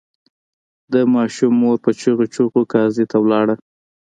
د ماشوم مور په چیغو چیغو قاضي ته ولاړه.